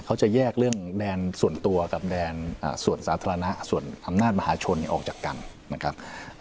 เขาจะแยกเรื่องแดนส่วนตัวกับแดนส่วนสาธารณะส่วนอำนาจมหาชนออกจากกันนะครับ